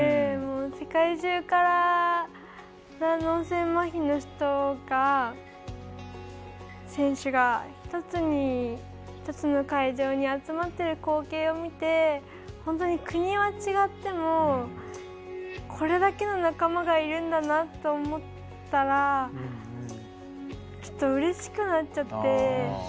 世界中から脳性まひの選手が１つの会場に集まってる光景を見て本当に国は違ってもこれだけの仲間がいるんだなと思ったらうれしくなっちゃって。